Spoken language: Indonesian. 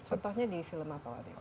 contohnya di film apa waktu